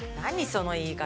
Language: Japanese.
その言い方。